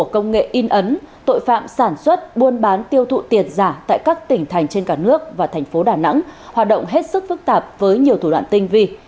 công nghệ in ấn tội phạm sản xuất buôn bán tiêu thụ tiền giả tại các tỉnh thành trên cả nước và tp hcm hoạt động hết sức phức tạp với nhiều thủ đoạn tinh vi